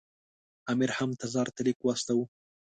امیر هم تزار ته لیک واستاوه.